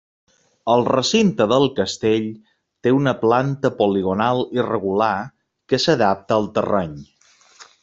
El recinte del castell té una planta poligonal irregular, que s'adapta al terreny.